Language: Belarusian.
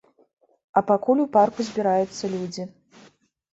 А пакуль у парку збіраюцца людзі.